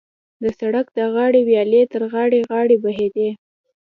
د سړک د غاړې ویالې تر غاړې غاړې بهېدې.